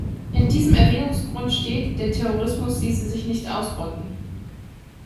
In diesem Erwägungsgrund steht, der Terrorismus ließe sich nicht ausrotten.